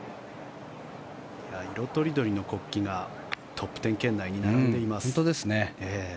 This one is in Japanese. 色とりどりの国旗がトップ１０圏内に並んでいます。